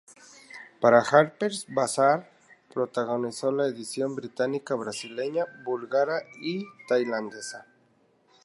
Para "Harper's Bazaar" protagonizó la edición británica, brasileña, búlgara y tailandesa.